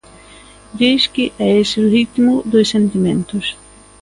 Disque é ese ritmo dos sentimentos.